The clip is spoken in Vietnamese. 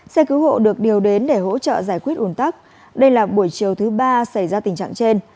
xe cứu hộ được điều đến để hỗ trợ giải quyết ủn tắc đây là buổi chiều thứ ba xảy ra tình trạng trên